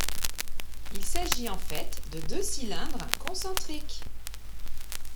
Il s'agit en fait de deux cylindres concentriques.